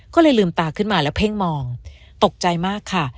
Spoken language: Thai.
ก็เลยลืมตาขึ้นมาแล้วเพ่งมองตกใจมากค่ะ